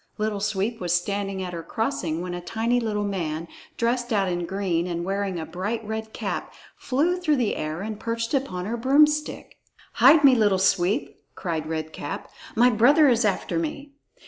Little Sweep was standing at her crossing when a tiny little man, dressed out in green and wearing a bright red cap, flew through the air and perched upon her broomstick. "Hide me, Little Sweep," cried Red Cap. "My brother is after me."